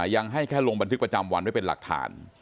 ยังให้แค่ลงบันทึกประจำวันไว้เป็นหลักฐาน